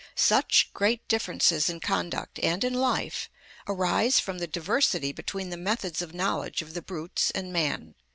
Such great differences in conduct and in life arise from the diversity between the methods of knowledge of the brutes and man.